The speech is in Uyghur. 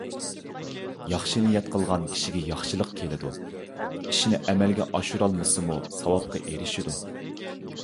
ياخشى نىيەت قىلغان كىشىگە ياخشىلىق كېلىدۇ، ئىشنى ئەمەلگە ئاشۇرالمىسىمۇ، ساۋابقا ئېرىشىدۇ.